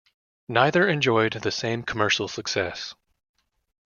Neither enjoyed the same commercial success.